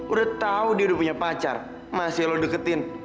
udah tau dia udah punya pacar masih lo deketin